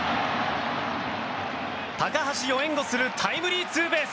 高橋を援護するタイムリーツーベース。